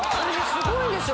すごいんですよ。